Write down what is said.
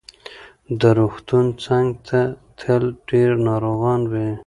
د روغتون څنګ ته تل ډېر ناروغان وي.